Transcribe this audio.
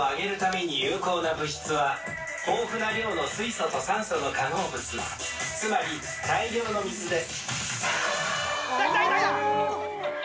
エナジーレベルを上げるために有効な物質は、豊富な量の水素と酸素の化合物、つまり、大量の水です。